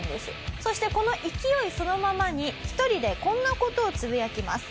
そしてこの勢いそのままに１人でこんな事をつぶやきます。